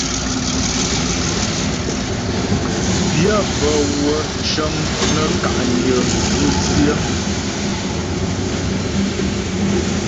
Pyə́ bə́wə́ cəŋ nə́ ka'nyə vú tsyə.